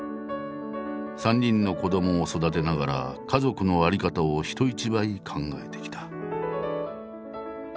３人の子どもを育てながら家族の在り方を人一倍考えてきた。